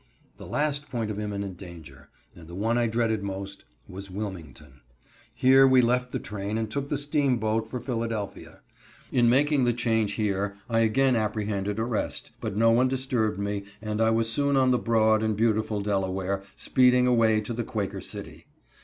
The last point of imminent danger, and the one I dreaded most, was Wilmington. Here we left the train and took the steam boat for Philadelphia. In making the change here I again apprehended arrest, but no one disturbed me, and I was soon on the broad and beautiful Delaware, speeding away to the Quaker City.